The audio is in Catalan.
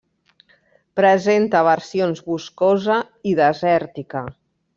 Presenta versions boscosa i desèrtica.